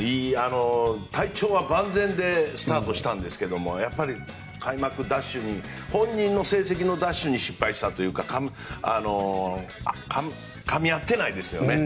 体調は万全でスタートしたんですが開幕ダッシュに、本人の成績のダッシュに失敗したというかかみ合ってないですよね。